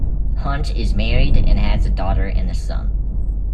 Hunt is married and has a daughter and a son.